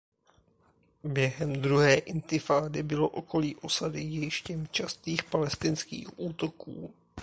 Během druhé intifády bylo okolí osady dějištěm častých palestinských útoků.